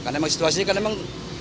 karena memang situasinya kan emang